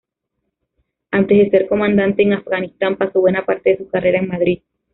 Antes de ser comandante en Afganistán paso buena parte de su carrera en Madrid.